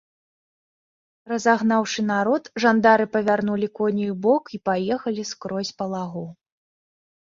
Разагнаўшы народ, жандары павярнулі коней убок і паехалі скрозь па лагу.